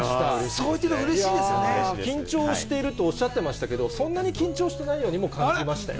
そう言っていただくとうれし緊張してるとおっしゃてましたけど、そんなに緊張してないと感じましたよ。